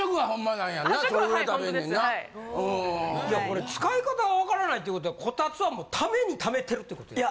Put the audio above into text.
いやこれ使い方が分からないってことはこたつはもう貯めに貯めてるってことや。